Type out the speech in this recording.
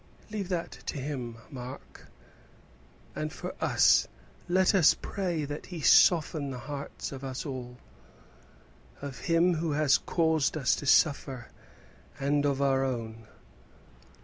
"Leave that to Him, Mark; and for us, let us pray that He may soften the hearts of us all; of him who has caused us to suffer, and of our own."